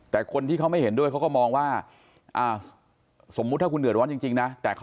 แต่คนที่เขาไม่เห็นด้วยเขาก็มองว่าสมมุติถ้าคุณเดือดร้อนจริงนะ